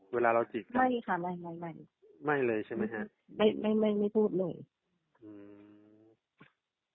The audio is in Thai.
เวลาเราจีบไม่ค่ะไม่ไม่ไม่เลยใช่ไหมฮะไม่ไม่ไม่พูดเลยอืม